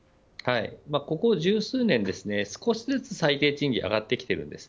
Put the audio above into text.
ここ十数年、少しずつ最低賃金は上がってきているんです。